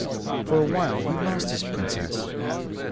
For a while he lost his Princess.